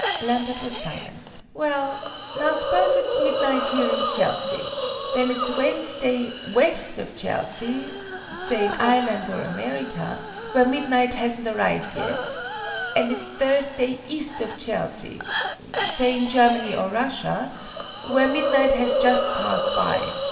Lambert was silent. "Well, now, suppose it's midnight here in Chelsea. Then it's Wednesday west of Chelsea (say in Ireland or America) where midnight hasn't arrived yet: and it's Thursday east of Chelsea (say in Germany or Russia) where midnight has just passed by?"